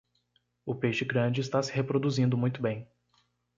O peixe grande está se reproduzindo muito bem.